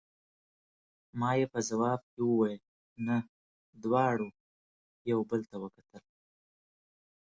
ما یې په ځواب کې وویل: نه، دواړو یو بل ته وکتل.